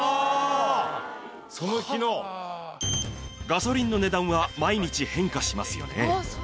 ガソリンの値段は毎日変化しますよね。